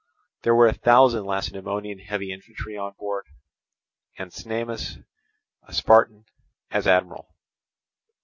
There were a thousand Lacedaemonian heavy infantry on board, and Cnemus, a Spartan, as admiral.